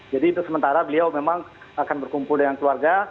jadi itu sementara beliau memang akan berkumpul dengan keluarga